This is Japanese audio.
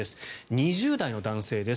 ２０代の男性です。